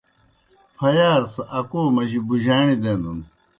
پھیارہ سہ اکو مجی بُجَاݨیْ دینَن۔